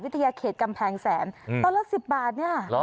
วิทยาเขตกำแพงแสนต้อนรัก๑๐บาทเนี่ย